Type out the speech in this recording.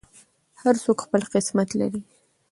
هر څوک خپل قسمت لري.